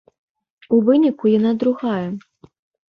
У выніку яна другая.